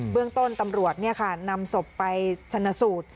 เรื่องต้นตำรวจนำศพไปชนะสูตร